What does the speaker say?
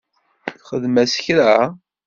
Txdem-as kra?